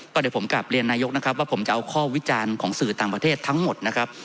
ก็เดี๋ยวผมกลับเรียนนายกนะครับว่าผมจะเอาข้อวิจารณ์ของสื่อต่างประเทศทั้งหมดนะครับ